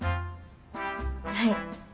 はい。